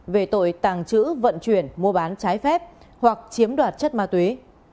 về tội tàng trữ vận chuyển mua bán trái phép hoặc chiếm đoạt chất ma túy